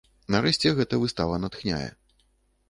Нарэшце, гэта выстава натхняе.